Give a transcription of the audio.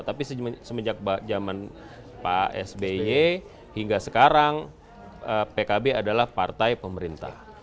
tapi semenjak zaman pak sby hingga sekarang pkb adalah partai pemerintah